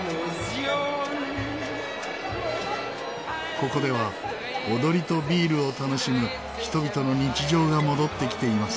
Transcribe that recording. ここでは踊りとビールを楽しむ人々の日常が戻ってきています。